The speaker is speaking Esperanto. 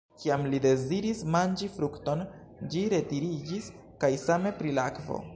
Kiam li deziris manĝi frukton, ĝi retiriĝis kaj same pri la akvo.